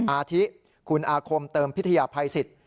อาทิคุณอาคมเติมพิทยาภัยสิทธิ